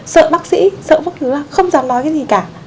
sợ bác sĩ sợ bất cứ là không dám nói cái gì cả